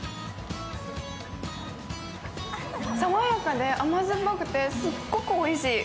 爽やかで甘酸っぱくてすっごくおいしい。